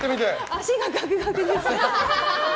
足がガクガクです。